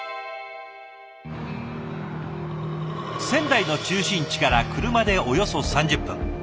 仙台の中心地から車でおよそ３０分。